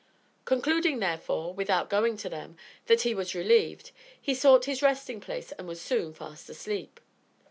Concluding, therefore, without going to them, that he was relieved, he sought his resting place and was soon fast asleep.